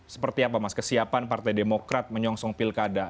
seperti apa mas kesiapan partai demokrat menyongsong pilkada